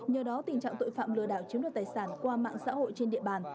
nhờ đó tình trạng tội phạm lừa đảo chiếm đoạt tài sản qua mạng xã hội trên địa bàn